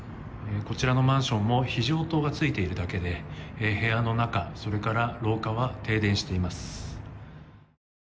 こちらのマンションも非常灯がついているだけで部屋の中それから廊下は停電しています。